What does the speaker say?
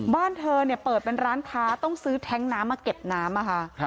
บ้านเธอเปิดเป็นร้านค้าต้องซื้อแท้งน้ำมาเก็บน้ำค่ะ